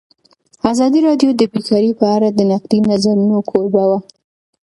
ازادي راډیو د بیکاري په اړه د نقدي نظرونو کوربه وه.